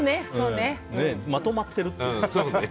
まとまってるっていう。